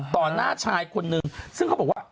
หน้าชายคนนึงซึ่งเขาบอกว่า